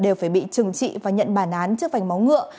đều phải bị trừng trị và nhận bản án trước vành máu ngựa